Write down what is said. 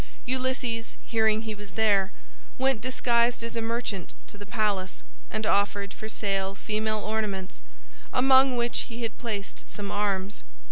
Ulysses, hearing he was there, went disguised as a merchant to the palace and offered for sale female ornaments, among which he had placed some arms.